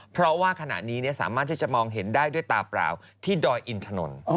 เพราะว่าขณะนี้สามารถที่จะมองเห็นได้ด้วยตาเปล่าที่ดอยอินถนน